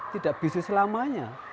tidak bisu selamanya